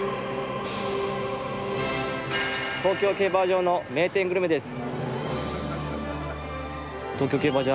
東京競馬場の名店グルメです。